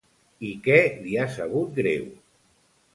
I què li ha sabut greu?